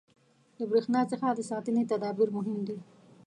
• د برېښنا څخه د ساتنې تدابیر مهم دي.